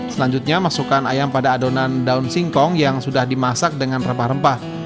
selanjutnya masukkan ayam pada adonan daun singkong yang sudah dimasak dengan rempah rempah